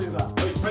はい。